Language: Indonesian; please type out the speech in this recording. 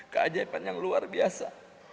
keajaiban yang luar biasa